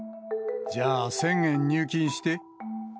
じゃあ、１０００元入金して。